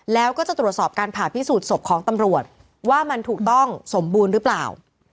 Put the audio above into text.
แล้วก็จะตรวจสอบการผ่าพิสูจน์ศพของตำรวจว่ามันถูกต้องสมบูรณ์หรือเปล่า